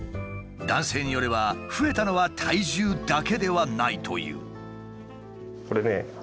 男性によれば増えたのは体重だけではないという。